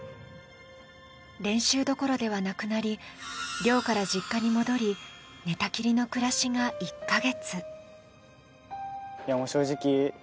練習どころではなくなり、寮から実家に戻り寝たきりの暮らしが１か月。